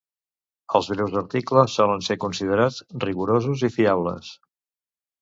Els seus articles solen ser considerats rigorosos i fiables.